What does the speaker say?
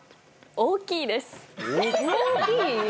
大きい？